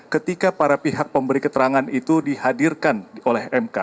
ketika para pihak pemberi keterangan itu dihadirkan oleh mk